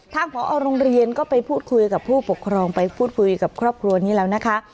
ผอโรงเรียนก็ไปพูดคุยกับผู้ปกครองไปพูดคุยกับครอบครัวนี้แล้วนะคะ